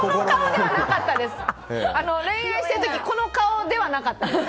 恋愛している時この顔ではなかったです。